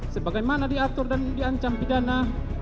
sebagaimana diatur dan diancam pidana